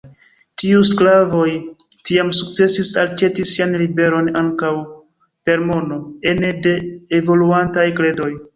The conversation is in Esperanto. Tiuj sklavoj, tiam sukcesis elaĉeti sian liberon, ankaŭ per mono, ene de evoluantaj kredoj!